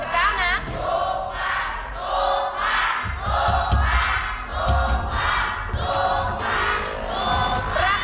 ถูกกว่าถูกกว่าถูกกว่าถูกกว่าถูกกว่า